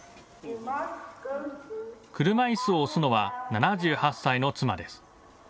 車いすを押すのは７８歳の妻です。